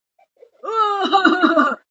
د عددونو ژبه د بروکراسي د موثریت سبب ده.